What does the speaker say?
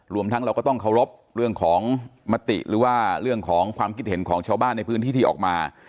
ทั้งเราก็ต้องเคารพเรื่องของมติหรือว่าเรื่องของความคิดเห็นของชาวบ้านในพื้นที่ที่ออกมา